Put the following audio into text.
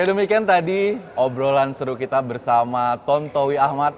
ya demikian tadi obrolan seru kita bersama tontowi ahmad